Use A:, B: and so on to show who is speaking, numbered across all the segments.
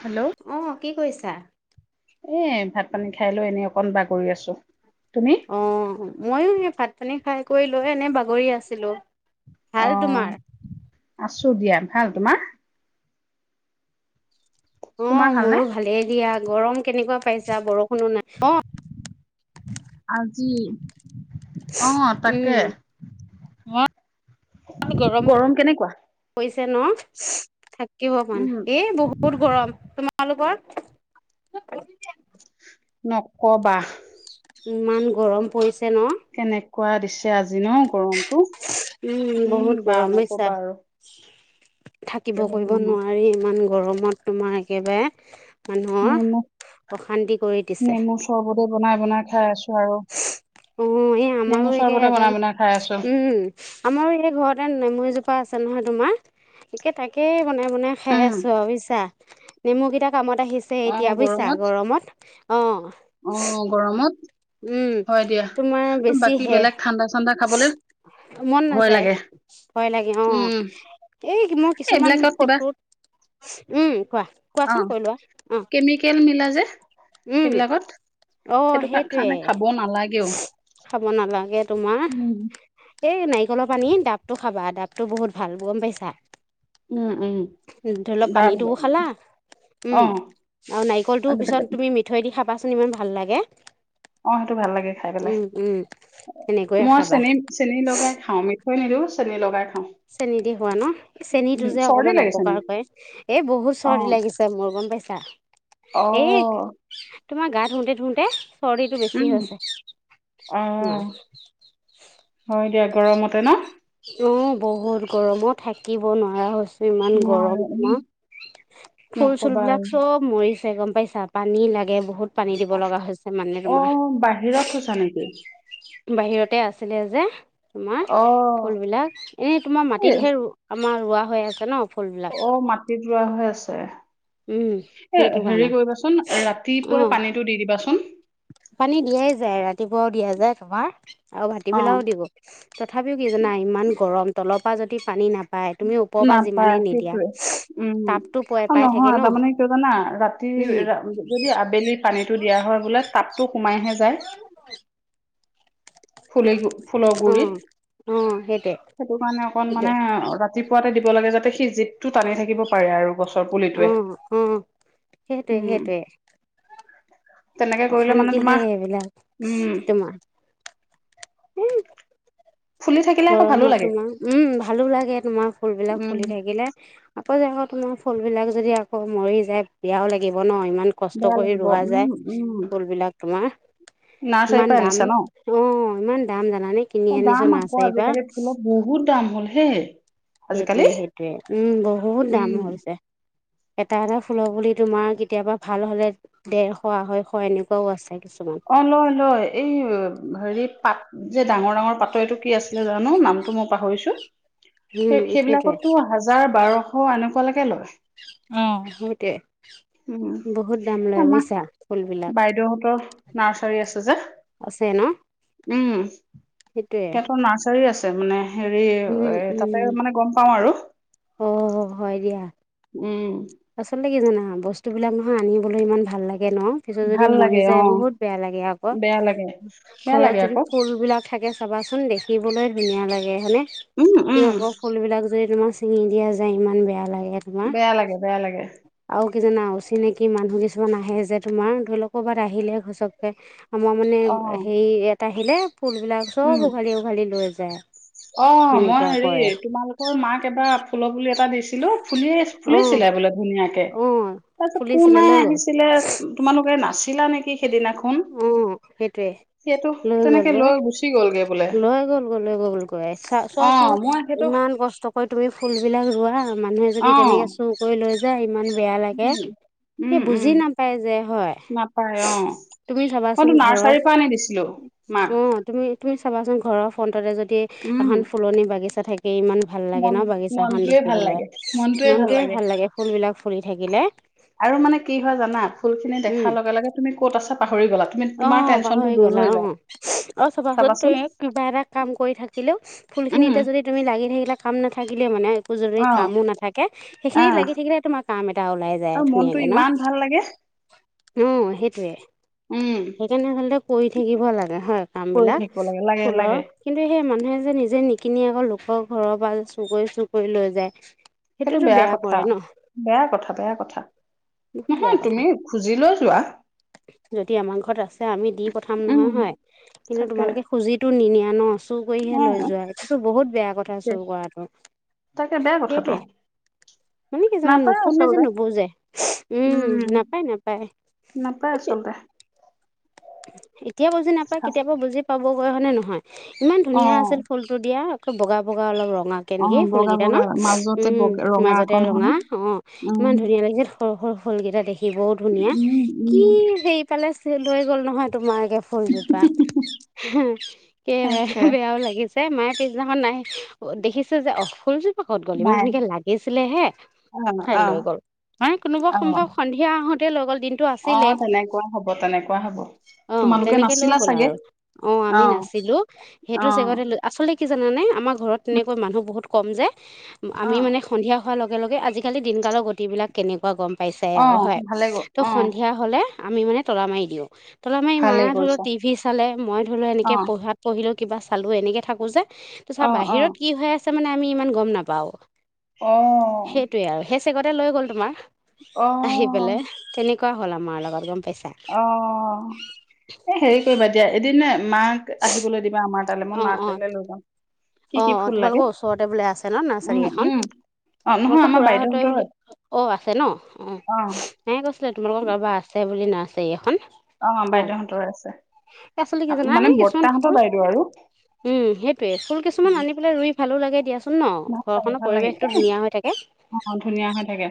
A: Hello?
B: অ', কি কৰিছা?
A: এ ভাত-পানী খাই লৈ এনেই অকণ বাগৰি আছোঁ, তুমি?
B: অ', মইয়ো সেই ভাত-পানী খাই কৰি লৈ এনে বাগৰি আছিলোঁ।
A: অ', আছোঁ দিয়া। ভাল তোমাৰ? তোমাৰ
B: অ',
A: ভালনে
B: মোৰো ভালেই দিয়া। গৰম কেনেকুৱা পাইছা? বৰষুণো নাই অ'।
A: আজি অ',
B: উম
A: তাকে।
B: [unintelligible] গৰম পৰিছে ন'? থা কিব পৰা
A: উম
B: নাই। এই বহুত গৰম, তোমালোকৰ
A: নক'বা।
B: ইমান গৰম পৰিছে ন'!
A: কেনেকুৱা দিছে আজি ন' গৰমতটো।
B: উম, বহুত গৰম বুজিছা।
A: আৰু
B: থাকিব কৰিব
A: নেমু
B: নোৱাৰি ইমান গৰমত তোমাৰ একেবাৰে। মানুহৰ
A: নেমু,
B: অশান্তি কৰি দিছে
A: নেমু চৰ্বতে বনাই, বনাই খাই আছোঁ।
B: অ', এই আমাৰো একে
A: চৰ্বতে বনাই
B: এডাল
A: বনাই খাই আছো
B: উম আমাৰো এই ঘৰতে নেমু এজোপা আছে নহয় তোমাৰ। একে তাকেই বনায়, বনায় খাই
A: উম
B: আছোঁ আৰু বুজিছা, নেমু কেইটা কামত আহিছে। এতিয়া বুইছা গৰমত অ'।
A: অ গৰমত
B: উম,
A: হয় দিয়া।
B: তোমাৰ
A: বাকী
B: বেছিহে
A: বেলেগ ঠাণ্ডা-চাণ্ডা খাবলৈ
B: মন
A: ভয়
B: নাযায়,
A: লাগে
B: ভয় লাগে অ'।
A: উম
B: এই মই কিছুমান
A: এইবিলাকত কিবা
B: ফটোত উম, কোৱা
A: অ
B: কোৱাচোন কৈ লোৱা, অ'।
A: কেমিকেল মিলাই যে
B: উম।
A: সেইবিলাকত।
B: অ',
A: সেইটো কাৰণে খাব নালাগেও
B: সেইটোৱে খাব নালাগে তোমাৰ।
A: উম
B: এই নাৰিকলৰ পানী ডাবটো খাবা, ডাবটো বহুত ভাল গ'ম পাইছা!
A: উম
B: ধৰি ল'
A: দা
B: পানীটোও খালা। উম
A: অ
B: আৰু
A: আ
B: নাৰিকলটো পিছত তুমি মিঠৈ দি খাবাচোন ইমান ভাল লাগে।
A: অ' সেইটো ভাল লাগে খাই পেলাই,
B: উম উম তেনেকৈয়ে
A: মই
B: খাবা
A: চেনী চেনী লগাই খাওঁ। ম মিঠৈ নিদো চেনী লগাই খাওঁ।
B: চেনী দি খুৱা ন?
A: উম
B: চেনীটো যে
A: চৰ্দি
B: অকমান
A: লাগিছে
B: অপকাৰ
A: নেকি
B: কৰে। এই বহুত
A: অ
B: চৰ্দি লাগিছে মোৰ গম পাইছা। এই
A: অ'
B: তোমাৰ গা ধুওঁতে ধুওঁতে চৰ্দিটো বেছি
A: উম অ
B: হৈছে।
A: হয় দিয়া গৰমতে ন?
B: অ' বহুত গৰমত থাকিব নোৱাৰা হৈছোঁ। ইমান
A: নোৱাৰে
B: গৰম
A: উম
B: তোমাৰ ফুল চুল
A: নকবা আৰু
B: বিলাক চব মৰিছে গ'ম পাইছা, পানী লাগে বহুত পানী দিব লগা হৈছে মানে তোমাৰ।
A: ফুল বাহিৰত থৈছা নেকি?
B: বাহিৰতে আছিলে যে তোমাৰ
A: অ
B: ফুল বিলাক। এনেই তোমাৰ
A: এ
B: মাটিতহে আমাৰ ৰোৱা হৈ আছে ন ফুলবিলাক।
A: অ মাটিত ৰোৱা হৈ আছে।
B: উম সেইটো
A: এ
B: কাৰণে
A: হেৰি কৰিবাচোন
B: অ
A: ৰাতিপুৱা পানীত টো দি দিবাচোন।
B: পানী দিয়াই যায়, ৰাতিপুৱাও দিয়া যায় তোমাৰ আৰু ভাটি
A: অ
B: বেলাও দিব। তথাপিও কি জানা ইমান গৰম, তলৰ পৰা যদি পানী নাপ পাই তুমি ওপৰৰ পৰা
A: নাপায়
B: যিমানেই নিদিয়া।
A: সেইটোৱে উম,
B: তাপতো প
A: আৰু'
B: পাই থাকে
A: নহয়
B: ন
A: তাৰমানে কিয় জানা, ৰাতি
B: উম
A: যদি আবেলি পানীটো দিয়া হয় বোলে তাপতো সোমাইহে যায়। ফুলে ফুলৰ
B: অ
A: গুৰিত।
B: অ সেইটোৱে
A: সেইটো কাৰণে অকন
B: সেইটোৱে
A: মানে অ ৰাতিপুৱাতে দিব লাগে যাতে সি জিপ টো টানি থাকিব পাৰে আৰু। গছৰ
B: অ
A: পুলিটোৱে।
B: অ সেইটোৱে
A: উম
B: সেইটোৱে
A: তেনেকে কৰিলে মানে
B: অশান্তিহে
A: তোমাৰ
B: এইবিলাক
A: উম
B: তোমাৰ। ও'
A: ফুলি থাকিলে আকৌ ভালো
B: গৰমত
A: লাগে
B: তোমাৰ, উম ভালো লাগে তোমাৰ ফুল বিলাক
A: উম
B: ফুলি থাকিলে। আকৌ যে আকৌ তোমাৰ ফুলবিলাক যদি আকৌ মৰি যায় বেয়াও লাগিব ন। ইমান কষ্ট
A: বেয়া
B: কৰি
A: লাগিব
B: ৰোৱা যায়
A: উম উম
B: ফুল বিলাক তোমাৰ,
A: নাৰ্চাৰীৰ
B: ইমান
A: পৰা
B: দাম।
A: আনিছা
B: অ' ইমান দাম জানানে? কিনি
A: এই
B: আনিছো
A: দাম আক
B: নাৰ্চাৰীৰ পৰা
A: আজিকালি ফুলৰ বহুত দাম হ'ল হে।
B: সেইটোৱে সেইটোৱে উম বহুত দাম
A: উম
B: হৈছে। এটা এটা ফুলৰ পুলি তোমাৰ কেতিয়াবা ভাল হ'লে ডেৰশ আড়ৈশ এনেকুৱাও আছে কিছুমান।
A: অ' লয় লয় এই হেৰি পাত যে ডাঙৰ ডাঙৰ পাতৰ এইটো কি আছিলে জানো নামটো মই পাহৰিছো?
B: উম
A: সে
B: সেইটোৱে
A: সেইবিলাকতো হাজাৰ বাৰশ এনেকুৱালৈকে লয়।
B: অ' বহুতে।
A: উম আমাৰ
B: ফুলবিলাক
A: বাইদেউহঁতৰ নাৰ্চাৰী আছে যে।
B: আছে ন?
A: উম,
B: সেইটোৱে
A: সিহঁতৰ নাৰ্চাৰী আছে মানে। হেৰি
B: উম
A: এ
B: উম
A: তাতে মানে গম পাওঁ আৰু।
B: অ' হয় দিয়া।
A: উম
B: আচলতে কি জানা বস্তুবিলাক নহয়, আনিবলৈ ইমান ভাল লাগে ন। পিছত যদি
A: ভাল
B: মৰি
A: লাগে
B: যায়
A: অ
B: বহুত বেয়া লাগে আকৌ,
A: বেয়া লাগে বেয়া
B: ঘৰত
A: লাগে
B: যদি
A: আকৌ
B: ফুল বিলাক থাকে চাবাচোন, দেখিবলৈ ধুনীয়া লাগে হয়নে
A: উম
B: তুমি
A: উম
B: আকৌ ফুলবিলাক যদি তোমাৰ ছিঙি দিয়া যায় ইমান বেয়া লাগে। তোমাৰ
A: বেয়া লাগে, বেয়া লাগে।
B: আৰু কি জানা অচিনাকি মানুহ কিছুমান আহে যে, তোমাৰ ধৰি লও ক'ৰবাত আহিলে ঘচককে আমাৰ মানে
A: অ
B: হেৰি ইয়াত আহিলে ফুলবিলাক
A: উম
B: চব উঘালি, উঘালি লৈ যায়।
A: অ' মই
B: সেনেকুৱা
A: হেৰি
B: কৰে
A: তোমালোকৰ মাক এবাৰ ফুলৰপুলি এটা দিছিলো ফুলিয়ে
B: অ
A: ফুলিছিলে বোলে ধুনীয়াকে,
B: অ
A: তাৰপিছত
B: ফুলিছিলে
A: কোনে
B: লৈ গ'ল
A: আহিছিলে তোমালোকে, নাছিলা নেকি? সি, সেইদিনাখন
B: অ সেইটোৱে
A: সেইটো
B: লৈ
A: তেনেকে
B: গ'লগৈ
A: লৈ গুচি গ'লগে বোলে।
B: লৈ গ'লগৈ লৈ গ'ল গৈ,
A: অ
B: চোৱাচোন
A: মই সেইটো
B: ইমান কষ্ট কৰি তুমি ফুল বিলাক ৰোৱা মানুহে
A: অ
B: যদি তেনেকে চু কৰি লৈ যায় ইমান বেয়া লাগে,
A: উম উম
B: সেই
A: উম
B: বুজি নাপায় যে হয়।
A: নাপায় অ
B: তুমি
A: মইতো
B: চাবাচোন
A: নাৰ্চাৰীৰ
B: ঘৰত,
A: পৰা আনি দিছিলো মাক
B: অ'। তুমি, তুমি চাবাচোন ঘৰৰ ফ্ৰণ্টতে যদি
A: উম
B: এখন ফুলনি বাগিচা থাকে ইমান ভাল লাগে
A: মন
B: ন, বাগিচাখন
A: মনটোৱে ভাল
B: দেখিবলৈ
A: লাগে
B: মনটোৱে ভাল লাগে ফুল বিলাক ফুলি থাকিলে।
A: আৰু মানে কি হয় জানা ফুল খিনি
B: উম,
A: দেখাৰ লগে লগে তুমি ক'ত আছা পাহৰি গ'লা। তুমি তোমাৰ
B: অ'
A: টেনচনটো
B: পাহৰি
A: দূৰ
B: গ'লা
A: হৈ
B: অ',
A: যায়
B: আৰু চাবাচোন তুমি কিবা এটা কাম কৰি থাকিলেও ফুল
A: উম
B: খিনিতে যদি, তুমি লাগি থাকিলা কাম নাথাকিলে মানে যদি
A: অ
B: কামো নাথাকে সেইখিনিত
A: আহ
B: লাগি থাকিলে তোমাৰ কাম এটা ওলাই
A: আৰু
B: যায়
A: মনটো
B: ধুনীয়াকে ন।
A: ইমান ভাল লাগে
B: অ' সেইটোৱে।
A: উম
B: সেইকাৰণে আচলতে কৰি থাকিব লাগে হয়, কাম
A: কৰি
B: বিলাক
A: থাকিব লাগে লাগে
B: ফুলৰ।
A: লাগে
B: কিন্তু সেই মানুহে যে নিজে নিকিনি আকৌ লোকৰ ঘৰৰ পৰা চোৰ কৰি, চোৰ কৰি লৈ যায়।
A: সেইটো
B: সেইটোতো
A: বেয়া কথা,
B: কৰে ন
A: বেয়া কথা, বেয়া কথা,
B: বহুত বেয়া
A: নহয়
B: কথা
A: তুমি খুজি লৈ যোৱা।
B: যদি আমাৰ ঘৰত আছে আমি দি পঠাম
A: উম
B: নহয় হয়, কিন্তু
A: তাকে
B: তোমালোকে খুজিটো নিনিয়া ন। চোৰ কৰিহে
A: অ
B: লৈ যোৱা, এইটোতো বহুত বেয়া কথা চোৰ কৰাটো।
A: তাকে বেয়া কথাটো।
B: সেইটোৱে মানে কি জানা
A: নাপায়
B: নুশুনে, যে
A: আচলতে
B: নুবুজে উম, নাপায়, নাপায়।
A: নাই পায় আচলতে।
B: এতিয়া বুজি নাপায়, কেতিয়াবা বুজি পাবগৈ হয় নে নহয়, ইমান
A: অ
B: ধুনীয়া আছিল ফুল টো দিয়া, আকৌ বগা বগা, অলপ ৰঙা।
A: অ
B: কেনেকি
A: বগা
B: ফুলকেইটা ন,
A: বগা মাজতে
B: উম,
A: বগা ৰঙা
B: মাজতে
A: অকণ হয়
B: ৰঙা অ'
A: উম
B: ইমান ধুনীয়া লাগিছিল। সৰু, সৰু ফুলকেইটা দেখিবও ধুনীয়া
A: উম উম
B: কি সেই পালে চেল হৈ গ'ল নহয়, তোমাৰ একে ফুলজোপা কে
A: তাকে
B: বেয়াও লাগিছে। যে মায়ে পিছদিনাখন নাই, দেখিছে যে অ' ফুল ক'ত গ'ল ইমান
A: নাই
B: ধুনীয়াকে লাগিছিলে হে
A: অ অ
B: লৈ গ'ল মানে কোনোবা
A: অ
B: সম্ভৱ সন্ধি য়া আহোতে লৈ গ'ল দিন
A: অ' তেনেকুৱাই হ'ব, তেনেকুৱা হ'ব।
B: অ',
A: তোমালোকে
B: তেনেকে লৈ
A: নাচিলা
B: গ'ল
A: চাগে
B: আৰু অ', আমি নাছিলো
A: অ',
B: সেইটো চেগতে লৈ আচলতে কি জানানে আমাৰ ঘৰত
A: উম,
B: তেনেকৈ মানুহ বহুত কম যে, আমি
A: অ',
B: মানে সন্ধিয়া হোৱাৰ লগে লগে, আজিকালি দিনকালৰ গতিবিলাক কেনেকুৱা গম পাইছাই আৰু
A: অ',
B: হয়,
A: ভালে গ
B: ত'
A: অ',
B: সন্ধিয়া হ'লে আমি মানে তলা মাৰি দিওঁ। তলা মাৰি, মায়ে
A: ভালেই
B: ধৰিল লোৱা
A: কৰিছা।
B: টিভি চালে, মই ধৰি লোৱা এনেক
A: অ',
B: পঢ়াত। পঢ়িলো কিবা চালো, এনেকে থাকো যে তাৰপিছত
A: অ', অ',
B: বাহিৰত কি হৈ আছে ছে মানে আমি ইমান গম নাপাও,
A: অ',
B: সেইটোৱে আৰু সেই চেগতে লৈ গ'ল তোমাৰ। আহি
A: অ',
B: পেলাই, তেনেকুৱা হ'ল, আমাৰ লগত গম পাইছা।
A: অ এ হেৰি কৰিবা দিয়া, এদিন মাক আহিবলৈ দিবা। [unintelligible]
B: অ
A: কি
B: অ'
A: ফুল লাগে?
B: তোমালোকৰ ওচৰতে বোলে আছে ন
A: উম,
B: নাৰচাৰী এখন?
A: উম, অ', নহয়
B: তোমালোকৰ
A: আমাৰ
B: খুৰাহঁতই
A: বাইদেউহঁতৰ
B: বুলি, অ আছে ন অ।
A: অ',
B: কৈছিলে তোমালোকৰ কাৰোবাৰ আছে বুলি নাৰ্চাৰি এই এখন।
A: অ
B: অঁ
A: বাইদেউহঁতৰ আছে,
B: আচলতে কি
A: মানে
B: জানানে কিছুমান
A: বৰ্তাহঁতৰ
B: ফুল
A: বাইদেউ আৰু।
B: উম' সেইটোয়ে ফুল কিছুমান
A: উম,
B: আনি পেলাই ৰুই ভালো লাগে দিয়া চোন। ন
A: ভাল লাগে
B: ঘৰখনৰ
A: ভাল লাগে এ
B: পৰিৱেশটো ধুনীয়া হৈ থাকে
A: অ', ধুনীয়া হৈ থাকে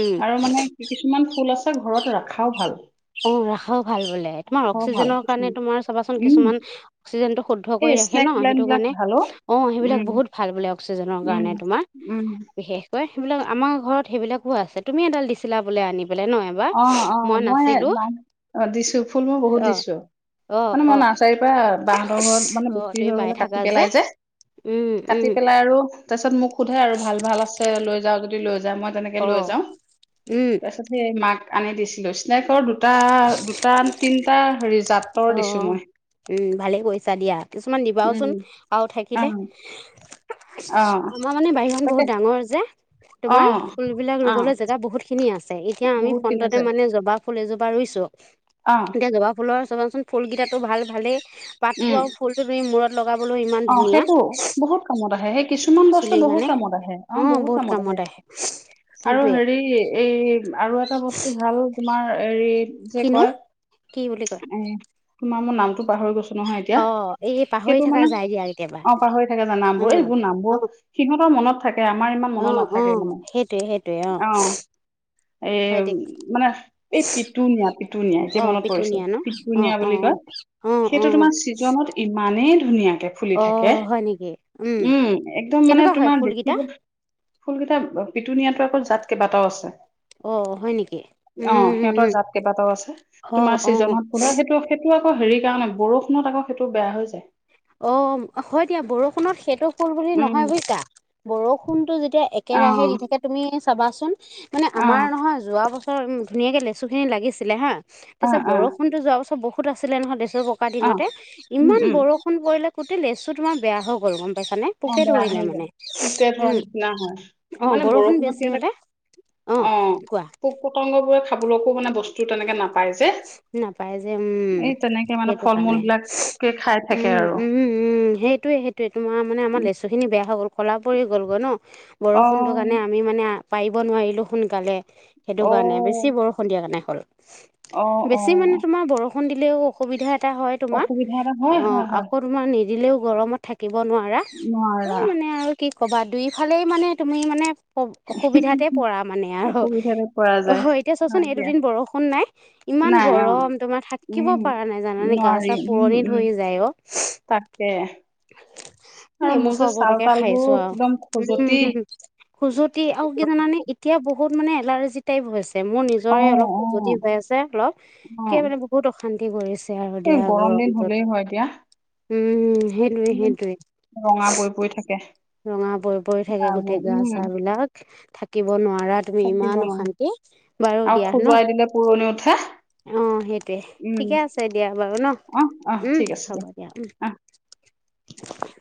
B: উম।
A: আৰু মানে কিছুমান ফুল আছে ঘৰত ৰখাও ভাল।
B: অ ৰাখাও ভাল বোলে তোমাৰ
A: খাও ভাল
B: অক্সিজেনৰ কাৰণে
A: কিছুমান
B: তোমাৰ চাবাচোন
A: উম।
B: কিছুমান। অক্সিজেনটো শুদ্ধ
A: এই
B: কৰি ৰাখে
A: স্নেক
B: ন,
A: প্লেন
B: সেইটো
A: বিলাক
B: কাৰণে
A: ভালো।
B: অ
A: উম,
B: সেইবিলাক বহুত। ভাল বোলে অক্সিজেনৰ
A: উম,
B: কাৰণে তোমাৰ
A: উম,
B: বিশেষ। সেইবিলাক আমাৰ ঘৰত সেইবিলাকো আছে। তুমি এডাল দিছিলা বোলে আনি পেলাই ন! এবাৰ
A: অ' অ' মই দিছো, ফুলো বহুত
B: অ
A: দিছো।
B: অ
A: মানে
B: অ
A: মই নাৰ্চাৰীৰ পৰা বাহতৰ ঘৰত মানে
B: অ
A: বেছি
B: তুমি
A: হৈ
B: পাই
A: গলে কাটি
B: থাকা
A: পেলাই যে।
B: উম
A: কাটি
B: উম
A: পেলাই আৰু তাৰপিছত মোক সোধে আৰু ভাল, ভাল আছে লৈ যাও, যদি লৈ যা, মই। তেনেকে
B: অ
A: লৈ যাও,
B: উম
A: তাৰচত। সেই মাক আনি দিছিলো, স্নকেৰ দুটা, দুটা তিনটা হেৰি জাত।
B: অ
A: দিছো মই।
B: উম ভালেই কৰিছা দিয়া, কিছুমান দিবাওচোন
A: উম,
B: আৰু থাকিলে।
A: অ', অ',
B: আমাৰ মানে বাহিৰখন
A: তাকে
B: বহুত ডাঙৰ যে, তোমাৰ
A: অ',
B: ফুল বিলাক
A: অ',
B: ৰুবলৈ জেগা। বহুত খিনি আছে, এতিয়া আমি
A: বহুত খিনি আছে
B: ফ্ৰণ্টতে মানে জবা ফুলে এজোপা ৰুছো।
A: অ',
B: এতিয়া জবা ফুলৰ চাবাচোন ফুল কেইটাতো ভাল ভালেই পাতটো
A: উম।
B: আৰু। ফুলটো তুমি মূৰত লগাবলৈ ইমান
A: অ
B: ধুনীয়া
A: সেইটো বহুত কামত আহে, সেই কিছুমান বস্তু
B: চুলিৰ
A: বহুত
B: কাৰণে
A: কামত আহে। অ বহুত কামত আহে আৰু
B: সেইটোৱে
A: হেৰি এই আৰু এটা। এটা বস্তু ভাল তোমাৰ এৰি যে
B: কিনো
A: কয়
B: কি বুলি কয়
A: এ। তোমাৰ মই নামটো পাহৰি গৈছো। নহয় এতিয়া
B: অ এই
A: সেইটো
B: পাহৰি
A: মানে
B: থকা যায় দিয়া কেতিয়াবা।
A: অ পাহৰি থাকে যে নাম
B: অ
A: বোৰ এইবোৰ
B: অ
A: নামবোৰ সিহঁতৰ মনত থাকে আমাৰ ইমান।
B: অ
A: মনত
B: অ
A: নাথাকে মানে,
B: সেইটোৱে সেইটোৱে
A: অ। এ
B: হয় দে
A: মানে এই পিটনীয়া পিটনিয়া এযে
B: অ
A: মনত পৰিছে
B: পিটুনিয়া ন অ
A: পিটনিয়া
B: অ
A: বুলি কয়।
B: অ অ
A: সেইটো তোমাৰ ছিজনত ইমানেই ধুনীয়াকে। ফুলি
B: অ
A: থাকে,
B: হয় নেকি
A: উম' একদম মানে
B: কেনেকুৱা হয়
A: তোমাৰ দেখিব।
B: ফুলকেইটা
A: ফুলকেইটা পিটুনিয়াতো আ'ক জাত কেইবাটাও আছে।
B: অ হয় নেকি
A: অ
B: উম উম
A: সিহঁতৰ
B: উম
A: জাত কেইবাটাও আছে।
B: অ
A: তোমাৰ
B: অ
A: ছিজনত বললে সেইটো। সেইটো আকৌ হেৰিৰ কাৰণে বৰষুণত আকৌ সেইটো বেয়া হৈ যায়।
B: অ হয় দিয়া, বৰষুণত সেইটো ফুল বুলি
A: উম
B: নহয় বুইচা বৰষুণতটো। এতিয়া
A: অ
B: একেৰাহে দি থাকে তুমি চাবাচোন মানে
A: অ
B: আমাৰ নহয় যোৱা বস্তু। ধুনীয়াকে লেচু খিনি লাগিছিলে হা,
A: অ
B: তাৰপিছত
A: অ
B: বৰষুণতো যোৱা বাছৰ বহুত আছিলে নহয় লেচু। থকা
A: অ
B: দিনতে
A: উম
B: ইমান
A: উম
B: বৰষুণ পৰিলে, গোটেই লেচু তোমাৰ বেয়া হৈ গ'ল গম পাইছানে?
A: অ
B: পোকে
A: বেয়া
B: ধৰিলে
A: হৈ যায়
B: মানে
A: পোকে ধৰ
B: উম
A: নিচিনা হয়
B: অ
A: মানে
B: বৰষুণ
A: বৰষুণত
B: বেছি
A: সিঁহতে।
B: হলে
A: অ'
B: কোৱা
A: পোক পতংগ বোৰে খাবলৈকো মানে বস্তু। তেনেকে নাপায় যে,
B: নাপায় যে উম
A: এই তেনেকে মানে
B: সেইটো
A: ফল মূল
B: কাৰণে
A: বিলাক।
B: উম' উম' উম' সেইটোয়েই। ত এইটো মাহ মানে আমাৰ
A: উম,
B: লেচু খিনি বেয়া হৈ গ'ল ক'লা পৰি গ'ল গৈ ন,
A: অ
B: বৰষুণটোৰ কাণে আমি মানে পাৰিব নোৱাৰিলো সোনকালে সেইটো
A: অ
B: কাৰণে, বেছি বৰষুণ দিয়া কাৰণে হ'ল।
A: অ অ
B: বেছি মানে তোমাৰ বৰষুণ দিলেও অসুবিধা এটা হয় তোমাৰ
A: অসুবিধা এটা হয়
B: অ
A: হয় হয়
B: আকৌ তোমাৰ নিদিলেও গৰমত থাকিব নোৱাৰা, এ
A: নোৱাৰা
B: মানে আৰু কি কবা দুইফালেই মানে তুমি মানে অসুবিধাতে পৰা মানে আৰু,
A: অসুবিধাতে পৰা যায়।
B: অহহ এতিয়া চোৱাচোন
A: হয়
B: এই
A: দিয়া,
B: দুদিন বৰষুণ নাই ইমান
A: নাই অ
B: গৰম তোমাৰ থাকিব
A: উম
B: পৰা নাই জানা নে গা
A: নোৱাৰি
B: চা
A: উম
B: পুৰণি
A: উম
B: ধৰি যায় অ।
A: তাকে। আৰু
B: নেমু
A: মোৰ যে ছাল
B: চবতকে
A: তালবোৰ
B: খাইছোঁ আৰু
A: একদম খজুৱতি
B: উম। খুজুতি আৰু কি জানে এতিয়া বহুত মানে এলাৰ্জি টাইপ হৈছে মোৰ
A: অ
B: নিজৰে অলপ
A: অ
B: খুজুতি হৈ আছে অলপ
A: অ
B: কে মানে বহুত অশান্তি কৰিছে। আৰু
A: এই
B: দিয়া
A: গৰম দিন
B: গৰমত।
A: হলেই হয় দিয়া
B: উম সেইটোৱে
A: উম,
B: সেইটোৱে।
A: ৰঙা পৰি পৰি থাকে
B: ৰঙা পৰি পৰি থাকে
A: গাবোৰ
B: গোটেই গা- চা
A: উম
B: বিলাক থাকিব নোৱাৰাত তুমি
A: থাকিব
B: ইমান
A: নোৱাৰো
B: অশান্তি, বাৰু
A: আৰু
B: দিয়া ন।
A: খজুৱাই দিলে পুৰণি উঠে
B: অ সেইটোৱে
A: উম
B: ঠিকে আছে দিয়া বাৰু ন,
A: অহ অহ
B: উম
A: ঠিক আছে
B: হ'ব দিয়া উম।
A: [unintelligible]
B: [unintelligible]